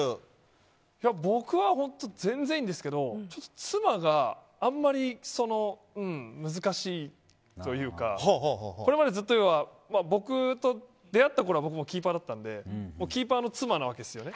僕は本当全然いいんですけど妻があまり難しいというか僕と出会ったころは僕もキーパーだったのでキーパーの妻なわけですよね。